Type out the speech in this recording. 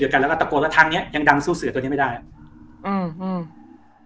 กันแล้วก็ตะโกนว่าทางเนี้ยยังดังสู้เสือตัวนี้ไม่ได้อืมอืม